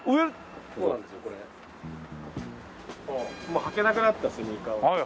もう履けなくなったスニーカーを。